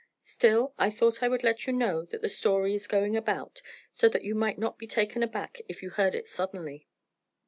Still I thought I would let you know that the story is going about, so that you might not be taken aback if you heard it suddenly.